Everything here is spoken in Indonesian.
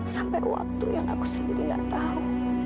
sampai waktu yang aku sendiri gak tahu